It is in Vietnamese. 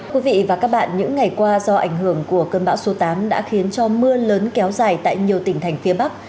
quý vị và các bạn những ngày qua do ảnh hưởng của cơn bão số tám đã khiến cho mưa lớn kéo dài tại nhiều tỉnh thành phía bắc